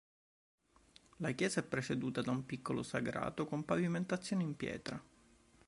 La chiesa è preceduta da un piccolo sagrato con pavimentazione in pietra.